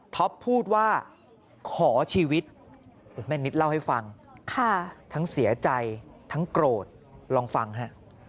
พูดว่าขอชีวิตแม่นิดเล่าให้ฟังทั้งเสียใจทั้งโกรธลองฟังฮะ